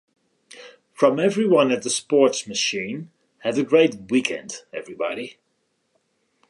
From everyone at the "Sports Machine," have a great weekend, everybody.